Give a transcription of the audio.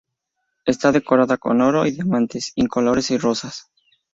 Está decorada con oro y diamantes incoloros y rosas.